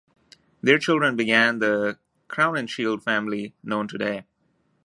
Their children began the Crowninshield family known today.